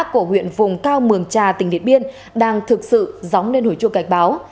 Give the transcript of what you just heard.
của huyện vùng cao mường trà tỉnh điện biên đang thực sự gióng lên hồi chuộc gạch báo